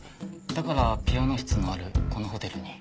だからピアノ室のあるこのホテルに。